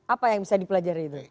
apa yang bisa dipelajari itu